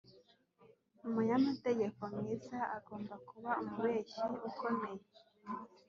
umunyamategeko mwiza agomba kuba umubeshyi ukomeye